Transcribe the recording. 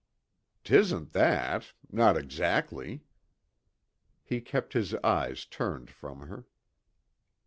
"'Tisn't that not exactly." He kept his eyes turned from her.